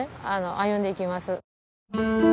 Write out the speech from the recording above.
歩んでいきます